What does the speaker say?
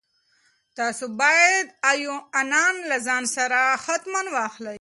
تاسو باید ایوانان له ځان سره حتماً واخلئ.